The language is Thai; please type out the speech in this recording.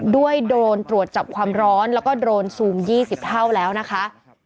ด้วยโดรนตรวจจับความร้อนแล้วก็โดรนซูม๒๐เท่าแล้วนะคะ